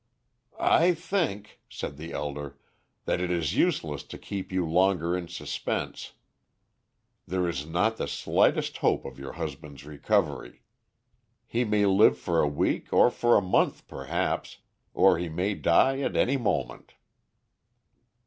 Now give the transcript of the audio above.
"I think," said the elder, "that it is useless to keep you longer in suspense. There is not the slightest hope of your husband's recovery. He may live for a week or for a month perhaps, or he may die at any moment."